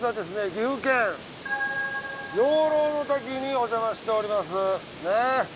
岐阜県養老の滝におじゃましておりますねっ。